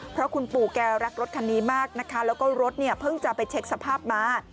เพราะคุณปู่แกรักรถคันนี้มากนะคะแล้วก็รถเนี่ยเพิ่งจะไปเช็คสภาพมา